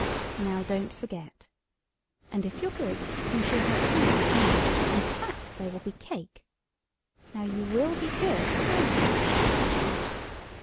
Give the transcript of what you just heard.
Now don't forget. And if you're good you shall have tea with me, and perhaps there will be cake. Now you will be good, won't you?"